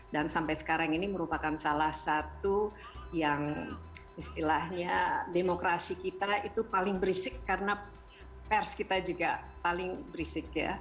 dan sampai sekarang ini merupakan salah satu yang istilahnya demokrasi kita itu paling berisik karena pers kita juga paling berisik ya